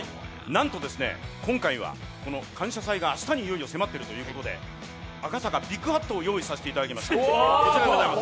なんと今回はこの「感謝祭」が明日にいよいよ迫っているということで赤坂ビッグハットを用意させていただきました。